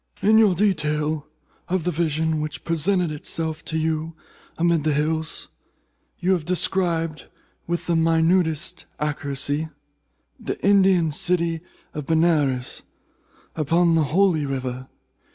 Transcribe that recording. "In your detail of the vision which presented itself to you amid the hills, you have described, with the minutest accuracy, the Indian city of Benares, upon the Holy River.